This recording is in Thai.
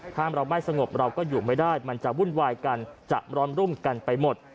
ถ้าเราไม่สงบเราก็อยู่ไม่ได้มันจะวุ่นวายกันจะร้อนรุ่มกันไปหมด